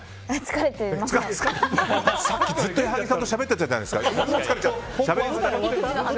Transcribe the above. さっき、ずっと矢作さんとしゃべってたじゃないですか！